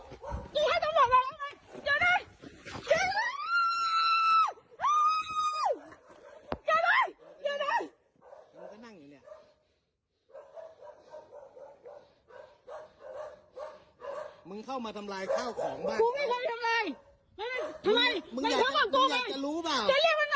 จะเรียกมันมามึงมันจะจุดของบ้าน